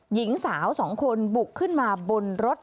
หญิงสาวสองคนบุกขึ้นมาบนรถ